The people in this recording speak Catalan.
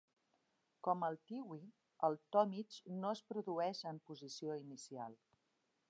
Com al twi, el to mig no es produeix en posició inicial.